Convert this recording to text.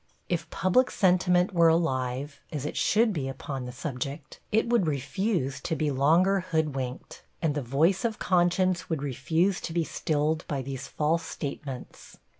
If public sentiment were alive, as it should be upon the subject, it would refuse to be longer hoodwinked, and the voice of conscience would refuse to be stilled by these false statements.